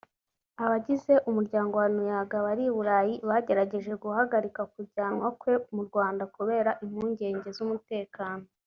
Abagize umuryango wa Ntuyahaga bari i Burayi bagerageje guhagarika kujyanwa kwe mu Rwanda kubera impungenge z’umutekano